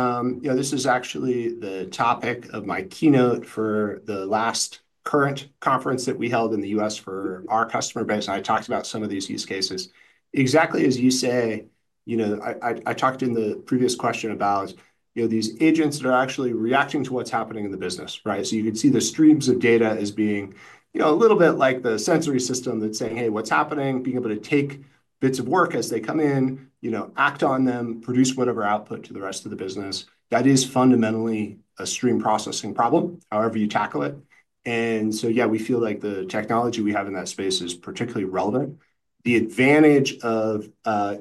This is actually the topic of my keynote for the last Current conference that we held in the U.S. for our customer base and I talked about some of these use cases. Exactly as you say, I talked in the previous question about these agents that are actually reacting to what's happening in the business, right, so you can see the streams of data as being a little bit like the sensory system that's saying, "Hey, what's happening?" Being able to take bits of work as they come in, act on them, produce whatever output to the rest of the business. That is fundamentally a stream processing problem, however you tackle it. And so, yeah, we feel like the technology we have in that space is particularly relevant. The advantage of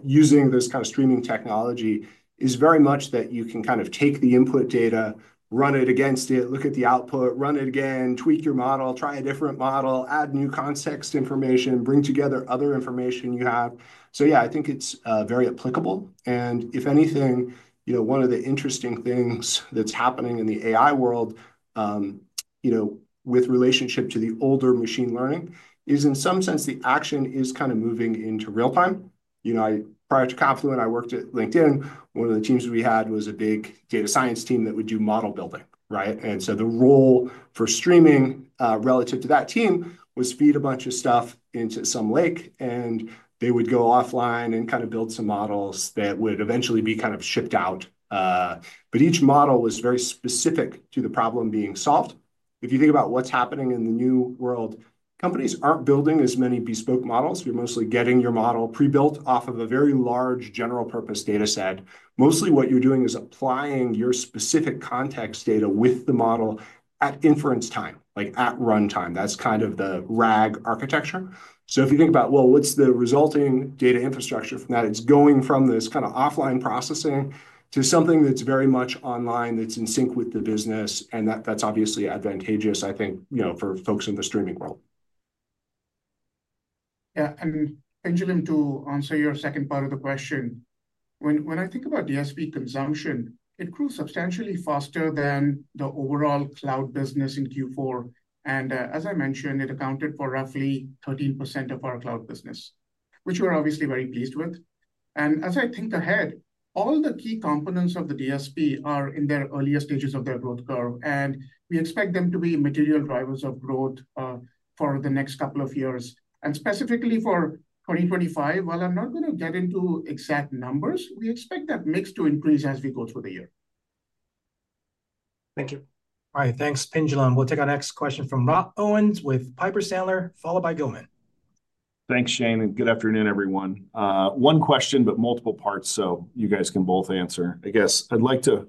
using this kind of streaming technology is very much that you can kind of take the input data, run it against it, look at the output, run it again, tweak your model, try a different model, add new context information, bring together other information you have. So, yeah, I think it's very applicable. And if anything, one of the interesting things that's happening in the AI world with relationship to the older machine learning is, in some sense, the action is kind of moving into real-time. Prior to Confluent, I worked at LinkedIn. One of the teams we had was a big data science team that would do model building, right? And so the role for streaming relative to that team was feed a bunch of stuff into some lake, and they would go offline and kind of build some models that would eventually be kind of shipped out. But each model was very specific to the problem being solved. If you think about what's happening in the new world, companies aren't building as many bespoke models. You're mostly getting your model prebuilt off of a very large general-purpose data set. Mostly what you're doing is applying your specific context data with the model at inference time, like at runtime. That's kind of the RAG architecture. So if you think about, well, what's the resulting data infrastructure from that? It's going from this kind of offline processing to something that's very much online that's in sync with the business. And that's obviously advantageous, I think, for folks in the streaming world. Yeah. And Pinjalim, to answer your second part of the question, when I think about DSP consumption, it grew substantially faster than the overall cloud business in Q4. And as I mentioned, it accounted for roughly 13% of our cloud business, which we're obviously very pleased with. And as I think ahead, all the key components of the DSP are in their earlier stages of their growth curve. And we expect them to be material drivers of growth for the next couple of years. And specifically for 2025, while I'm not going to get into exact numbers, we expect that mix to increase as we go through the year. Thank you. All right. Thanks, Pinjalim. We'll take our next question from Rob Owens with Piper Sandler, followed by Gil Luria. Thanks, Shane. And good afternoon, everyone. One question, but multiple parts so you guys can both answer.I guess I'd like to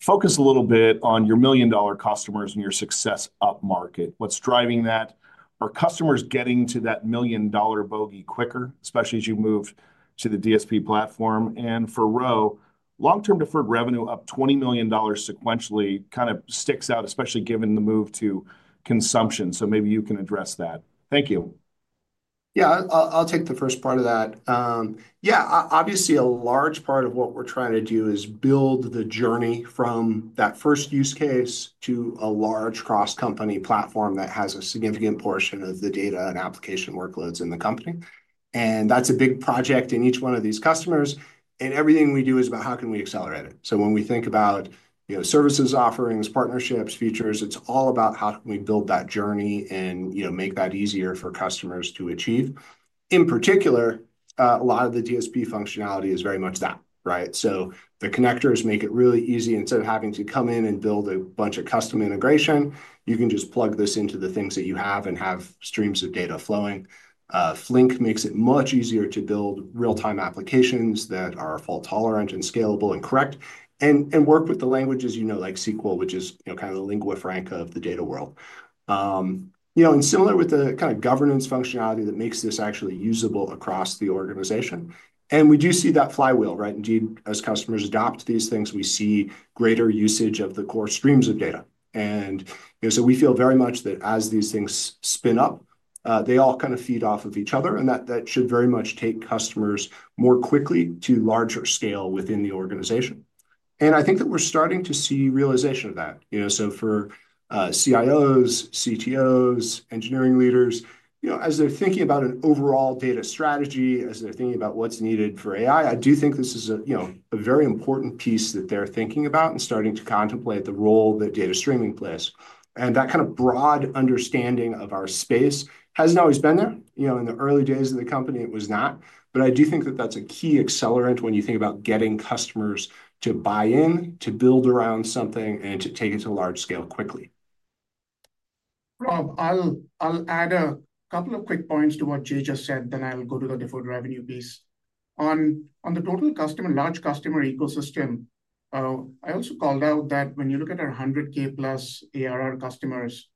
focus a little bit on your $1,000,000- customers and your success up market. What's driving that? Are customers getting to that $1,000,000-bogey quicker, especially as you move to the DSP platform? And for Rohan, long-term deferred revenue up $20,000,000 sequentially kind of sticks out, especially given the move to consumption. So maybe you can address that. Thank you. Yeah, I'll take the first part of that. Yeah, obviously, a large part of what we're trying to do is build the journey from that first use case to a large cross-company platform that has a significant portion of the data and application workloads in the company. And that's a big project in each one of these customers. And everything we do is about how can we accelerate it. So when we think about services, offerings, partnerships, features, it's all about how can we build that journey and make that easier for customers to achieve. In particular, a lot of the DSP functionality is very much that, right? So the connectors make it really easy. Instead of having to come in and build a bunch of custom integration, you can just plug this into the things that you have and have streams of data flowing. Flink makes it much easier to build real-time applications that are fault-tolerant and scalable and correct and work with the languages like SQL, which is kind of the lingua franca of the data world. And similar with the kind of governance functionality that makes this actually usable across the organization. And we do see that flywheel, right? Indeed, as customers adopt these things, we see greater usage of the core streams of data. And so we feel very much that as these things spin up, they all kind of feed off of each other. And that should very much take customers more quickly to larger scale within the organization. And I think that we're starting to see realization of that. So for CIOs, CTOs, engineering leaders, as they're thinking about an overall data strategy, as they're thinking about what's needed for AI, I do think this is a very important piece that they're thinking about and starting to contemplate the role that data streaming plays. And that kind of broad understanding of our space hasn't always been there. In the early days of the company, it was not. But I do think that that's a key accelerant when you think about getting customers to buy in, to build around something, and to take it to large scale quickly. I'll add a couple of quick points to what Jay just said. Then I'll go to the deferred revenue piece. On the total customer, large customer ecosystem, I also called out that when you look at our 100K plus ARR customers,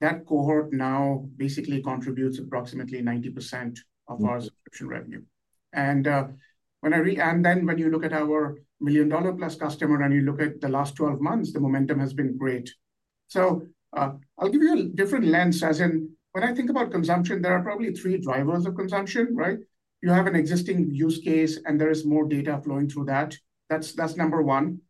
that cohort now basically contributes approximately 90% of our subscription revenue. And then when you look at our $1,000,000- plus customer and you look at the last 12 months, the momentum has been great. So I'll give you a different lens, as in when I think about consumption, there are probably three drivers of consumption, right? You have an existing use case, and there is more data flowing through that. That's number one.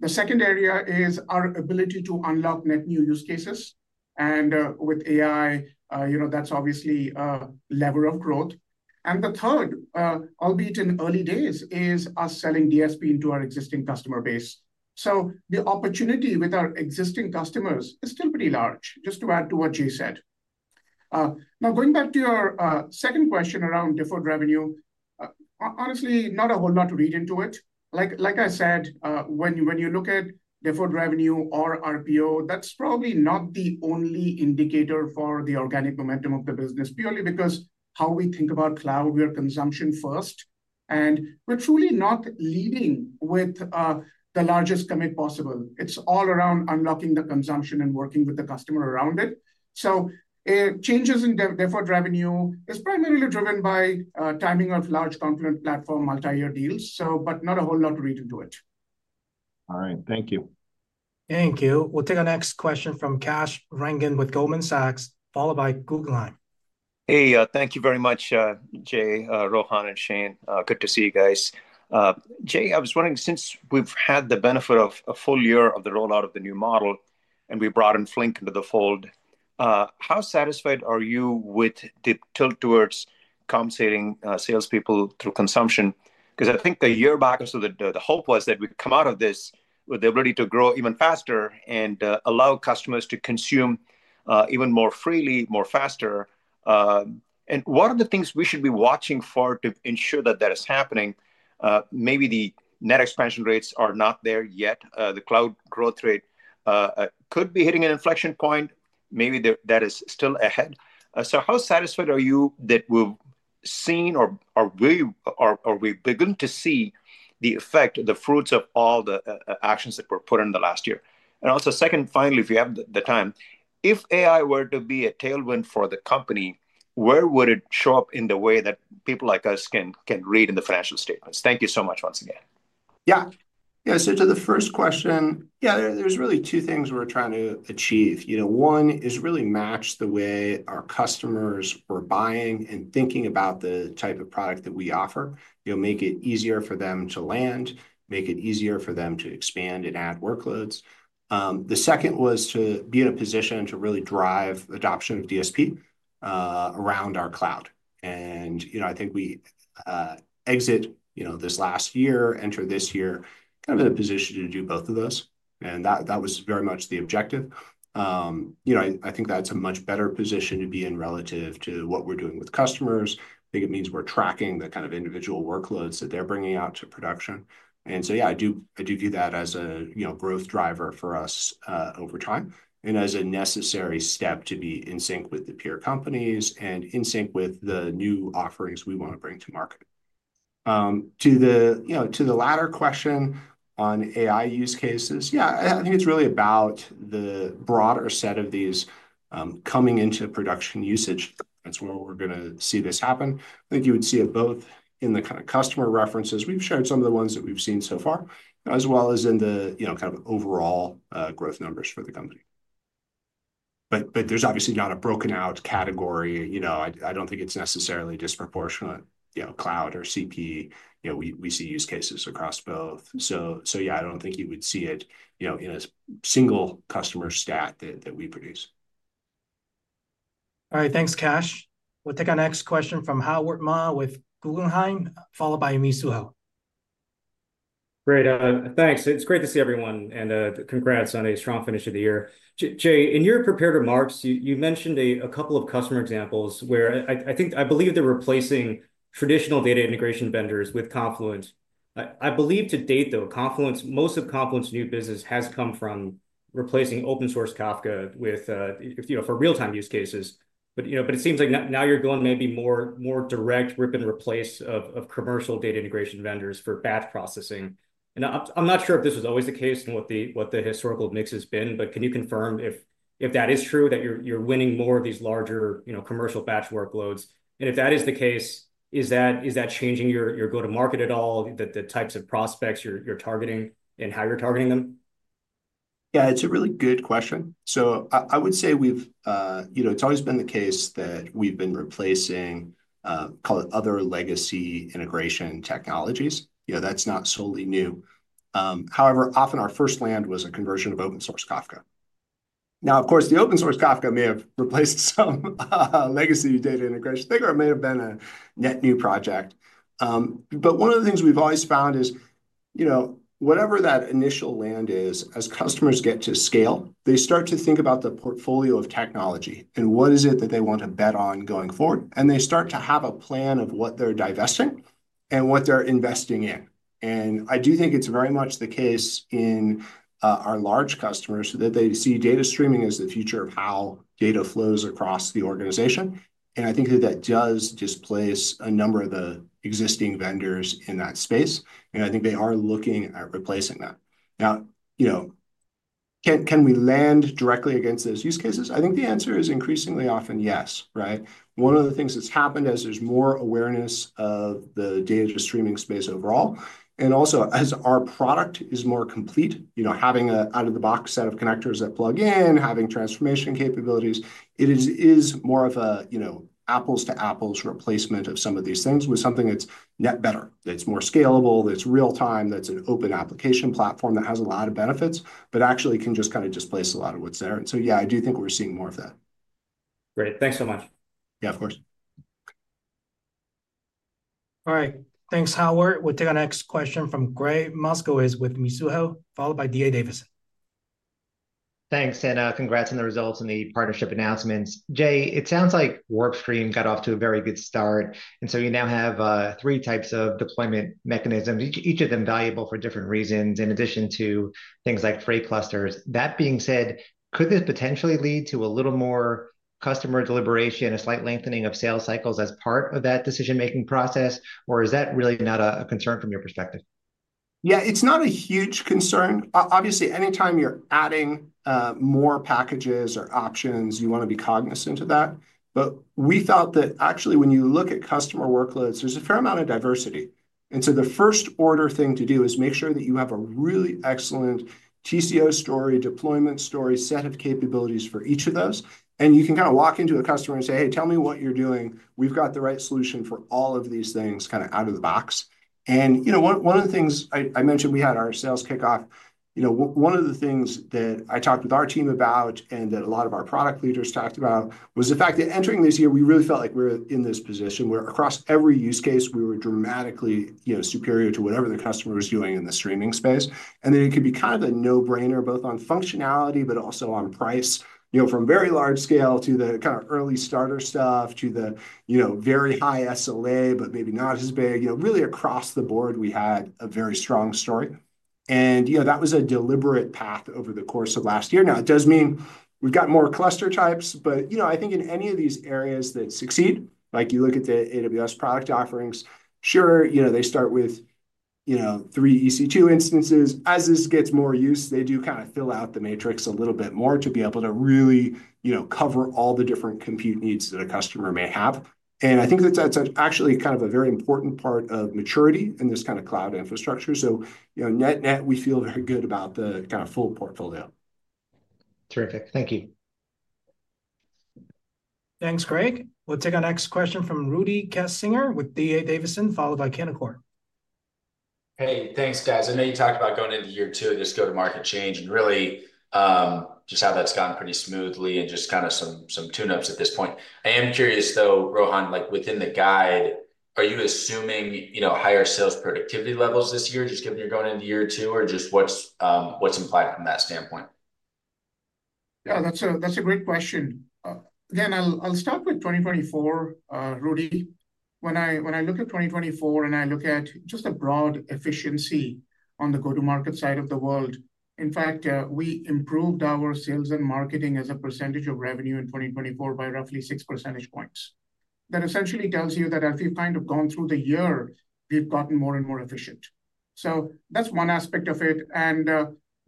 The second area is our ability to unlock net new use cases. And with AI, that's obviously a lever of growth. And the third, albeit in early days, is us selling DSP into our existing customer base. So the opportunity with our existing customers is still pretty large, just to add to what Jay said. Now, going back to your second question around deferred revenue, honestly, not a whole lot to read into it. Like I said, when you look at deferred revenue or RPO, that's probably not the only indicator for the organic momentum of the business, purely because how we think about cloud, we are consumption first. And we're truly not leading with the largest commit possible. It's all around unlocking the consumption and working with the customer around it. So changes in deferred revenue is primarily driven by timing of large Confluent Platform multi-year deals, but not a whole lot to read into it. All right. Thank you. Thank you. We'll take our next question from Kash Rangan with Goldman Sachs, followed by Guggenheim. Hey, thank you very much, Jay, Rohan, and Shane. Good to see you guys. Jay, I was wondering, since we've had the benefit of a full year of the rollout of the new model and we brought in Flink into the fold, how satisfied are you with the tilt towards compensating salespeople through consumption? Because I think a year back, so the hope was that we come out of this with the ability to grow even faster and allow customers to consume even more freely, more faster. And what are the things we should be watching for to ensure that that is happening? Maybe the net expansion rates are not there yet. The cloud growth rate could be hitting an inflection point. Maybe that is still ahead. So, how satisfied are you that we've seen or are we beginning to see the effect, the fruits of all the actions that were put in the last year? And also, second, finally, if you have the time, if AI were to be a tailwind for the company, where would it show up in the way that people like us can read in the financial statements? Thank you so much once again. Yeah, yeah. So to the first question, yeah, there's really two things we're trying to achieve. One is really match the way our customers were buying and thinking about the type of product that we offer. Make it easier for them to land, make it easier for them to expand and add workloads. The second was to be in a position to really drive adoption of DSP around our cloud.I think we exit this last year, enter this year, kind of in a position to do both of those. That was very much the objective. I think that's a much better position to be in relative to what we're doing with customers. I think it means we're tracking the kind of individual workloads that they're bringing out to production. So, yeah, I do view that as a growth driver for us over time and as a necessary step to be in sync with the peer companies and in sync with the new offerings we want to bring to market. To the latter question on AI use cases, yeah, I think it's really about the broader set of these coming into production usage. That's where we're going to see this happen.I think you would see it both in the kind of customer references we've shared, some of the ones that we've seen so far, as well as in the kind of overall growth numbers for the company. But there's obviously not a broken out category. I don't think it's necessarily disproportionate Cloud or CP. We see use cases across both. So, yeah, I don't think you would see it in a single customer stat that we produce. All right. Thanks, Kash. We'll take our next question from Howard Ma with Guggenheim, followed by Mizuho. Great. Thanks. It's great to see everyone. And congrats on a strong finish of the year. Jay, in your prepared remarks, you mentioned a couple of customer examples where I believe they're replacing traditional data integration vendors with Confluent.I believe to date, though, most of Confluent's new business has come from replacing open source Kafka for real-time use cases. But it seems like now you're going maybe more direct rip and replace of commercial data integration vendors for batch processing. And I'm not sure if this was always the case and what the historical mix has been, but can you confirm if that is true, that you're winning more of these larger commercial batch workloads? And if that is the case, is that changing your go-to-market at all, the types of prospects you're targeting and how you're targeting them? Yeah, it's a really good question. So I would say it's always been the case that we've been replacing, call it, other legacy integration technologies. That's not solely new. However, often our first land was a conversion of open source Kafka.Now, of course, the open source Kafka may have replaced some legacy data integration. I think it may have been a net new project. But one of the things we've always found is whatever that initial land is, as customers get to scale, they start to think about the portfolio of technology and what is it that they want to bet on going forward. And they start to have a plan of what they're divesting and what they're investing in. And I do think it's very much the case in our large customers that they see data streaming as the future of how data flows across the organization. And I think that that does displace a number of the existing vendors in that space. And I think they are looking at replacing that. Now, can we land directly against those use cases?I think the answer is increasingly often, yes, right? One of the things that's happened as there's more awareness of the data streaming space overall, and also as our product is more complete, having an out-of-the-box set of connectors that plug in, having transformation capabilities, it is more of an apples-to-apples replacement of some of these things with something that's net better, that's more scalable, that's real-time, that's an open application platform that has a lot of benefits, but actually can just kind of displace a lot of what's there. And so, yeah, I do think we're seeing more of that. Great. Thanks so much. Yeah, of course. All right. Thanks, Howard. We'll take our next question from Gregg Moskowitz with Mizuho followed by D.A. Davidson. Thanks. And congrats on the results and the partnership announcements. Jay, it sounds like WarpStream got off to a very good start. And so you now have three types of deployment mechanisms, each of them valuable for different reasons in addition to things like Freight clusters. That being said, could this potentially lead to a little more customer deliberation, a slight lengthening of sales cycles as part of that decision-making process, or is that really not a concern from your perspective? Yeah, it's not a huge concern. Obviously, anytime you're adding more packages or options, you want to be cognizant of that. But we thought that actually, when you look at customer workloads, there's a fair amount of diversity. And so the first order thing to do is make sure that you have a really excellent TCO story, deployment story, set of capabilities for each of those. And you can kind of walk into a customer and say, "Hey, tell me what you're doing. We've got the right solution for all of these things kind of out of the box," and one of the things I mentioned, we had our sales kickoff. One of the things that I talked with our team about and that a lot of our product leaders talked about was the fact that entering this year, we really felt like we were in this position where across every use case, we were dramatically superior to whatever the customer was doing in the streaming space. And then it could be kind of a no-brainer, both on functionality, but also on price, from very large scale to the kind of early starter stuff to the very high SLA, but maybe not as big. Really, across the board, we had a very strong story. And that was a deliberate path over the course of last year. Now, it does mean we've got more cluster types, but I think in any of these areas that succeed, like you look at the AWS product offerings, sure, they start with three EC2 instances. As this gets more use, they do kind of fill out the matrix a little bit more to be able to really cover all the different compute needs that a customer may have. And I think that that's actually kind of a very important part of maturity in this kind of cloud infrastructure. So net net, we feel very good about the kind of full portfolio. Terrific. Thank you. Thanks, Gregg. We'll take our next question from Rudy Kessinger with D.A. Davidson, followed by Canaccord. Hey, thanks, guys.I know you talked about going into year two of this go-to-market change and really just how that's gone pretty smoothly and just kind of some tune-ups at this point. I am curious, though, Rohan, within the guide, are you assuming higher sales productivity levels this year, just given you're going into year two, or just what's implied from that standpoint? Yeah, that's a great question. Again, I'll start with 2024, Rudy. When I look at 2024 and I look at just a broad efficiency on the go-to-market side of the world, in fact, we improved our sales and marketing as a percentage of revenue in 2024 by roughly six percentage points. That essentially tells you that as we've kind of gone through the year, we've gotten more and more efficient. So that's one aspect of it. And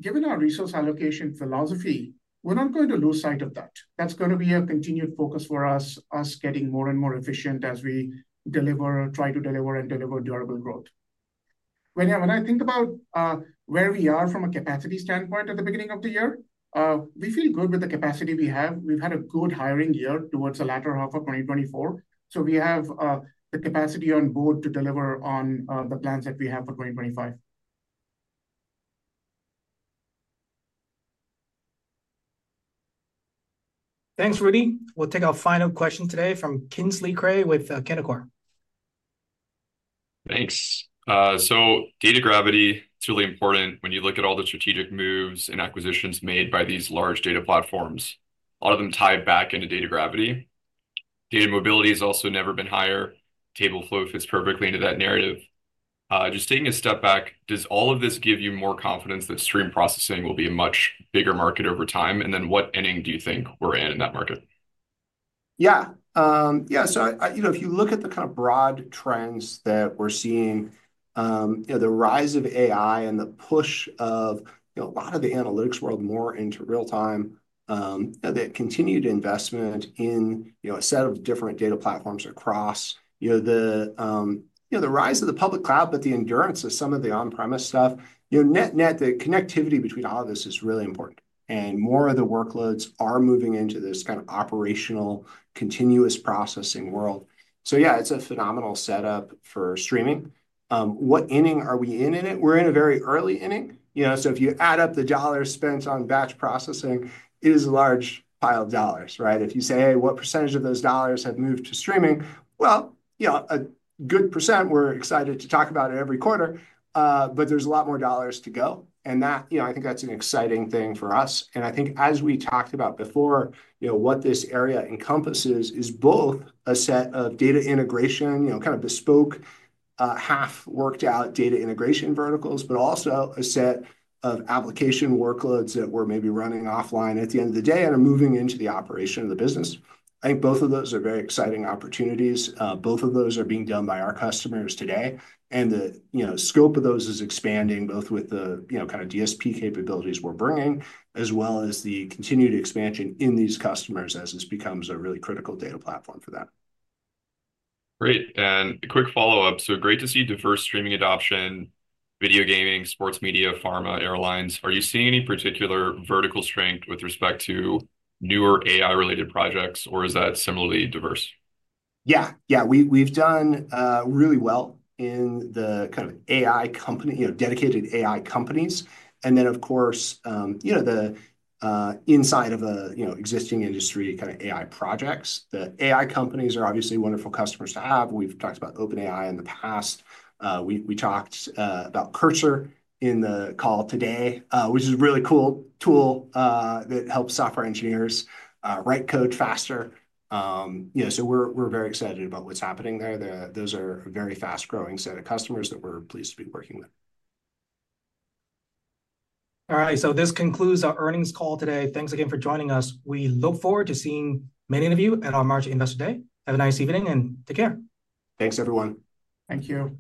given our resource allocation philosophy, we're not going to lose sight of that. That's going to be a continued focus for us, us getting more and more efficient as we deliver, try to deliver and deliver durable growth. When I think about where we are from a capacity standpoint at the beginning of the year, we feel good with the capacity we have. We've had a good hiring year towards the latter half of 2024. So we have the capacity on board to deliver on the plans that we have for 2025. Thanks, Rudy. We'll take our final question today from Kingsley Crane with Canaccord Genuity. Thanks. So data gravity, it's really important when you look at all the strategic moves and acquisitions made by these large data platforms. A lot of them tie back into data gravity. Data mobility has also never been higher. TableFlow fits perfectly into that narrative. Just taking a step back, does all of this give you more confidence that stream processing will be a much bigger market over time? And then what inning do you think we're in in that market? Yeah. Yeah. So if you look at the kind of broad trends that we're seeing, the rise of AI and the push of a lot of the analytics world more into real-time, that continued investment in a set of different data platforms across the rise of the public cloud, but the endurance of some of the on-premise stuff, net net, the connectivity between all of this is really important, and more of the workloads are moving into this kind of operational continuous processing world, so yeah, it's a phenomenal setup for streaming. What inning are we in? We're in a very early inning. So if you add up the dollars spent on batch processing, it is a large pile of dollars, right? If you say, "Hey, what percentage of those dollars have moved to streaming?" Well, a good percent, we're excited to talk about it every quarter, but there's a lot more dollars to go. And I think that's an exciting thing for us. And I think, as we talked about before, what this area encompasses is both a set of data integration, kind of bespoke, half worked out data integration verticals, but also a set of application workloads that we're maybe running offline at the end of the day and are moving into the operation of the business. I think both of those are very exciting opportunities. Both of those are being done by our customers today. And the scope of those is expanding, both with the kind of DSP capabilities we're bringing, as well as the continued expansion in these customers as this becomes a really critical data platform for them. Great. And a quick follow-up. So great to see diverse streaming adoption, video gaming, sports media, pharma, airlines. Are you seeing any particular vertical strength with respect to newer AI-related projects, or is that similarly diverse? Yeah. Yeah. We've done really well in the kind of AI dedicated AI companies. And then, of course, the inside of an existing industry kind of AI projects. The AI companies are obviously wonderful customers to have. We've talked about OpenAI in the past. We talked about Cursor in the call today, which is a really cool tool that helps software engineers write code faster. So we're very excited about what's happening there. Those are a very fast-growing set of customers that we're pleased to be working with. All right. So this concludes our Earnings Call today. Thanks again for joining us. We look forward to seeing many of you at our March Investor Day. Have a nice evening and take care. Thanks, everyone. Thank you.